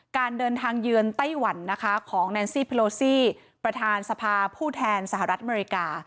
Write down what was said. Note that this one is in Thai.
การเดินทางเยือนไต้หวันนะคะของแนนซี่พิโลซี่ประธานสภาผู้แทนสหรัฐอเมริกา